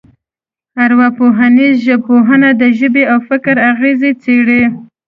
ارواپوهنیزه ژبپوهنه د ژبې او فکر اغېزې څېړي